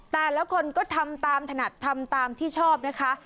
แต่ละคนก็ทำตามถนัดทำตามที่ชอบนะคะ